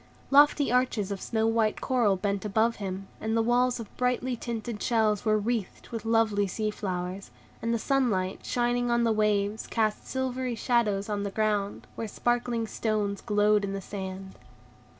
Lofty arches of snow white coral bent above him, and the walls of brightly tinted shells were wreathed with lovely sea flowers, and the sunlight shining on the waves cast silvery shadows on the ground, where sparkling stones glowed in the sand.